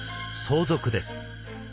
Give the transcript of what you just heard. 相続です。